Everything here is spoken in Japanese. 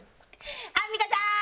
アンミカさーん！